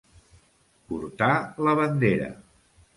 Portar la bandera.